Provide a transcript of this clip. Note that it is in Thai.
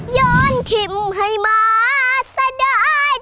ย้อนทิมให้มาเสียดาย